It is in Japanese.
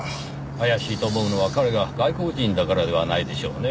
怪しいと思うのは彼が外国人だからではないでしょうねぇ？